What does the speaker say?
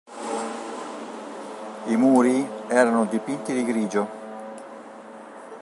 I muri erano dipinti di grigio.